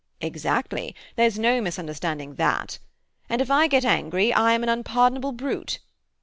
"Exactly. There's no misunderstanding that. And if I get angry I am an unpardonable brute.